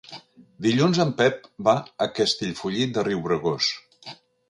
Dilluns en Pep va a Castellfollit de Riubregós.